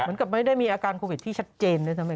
เหมือนกับไม่ได้อาการโควิดที่ชัดเจนเลย